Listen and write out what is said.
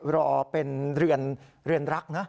รอเป็นเรือนรักนะ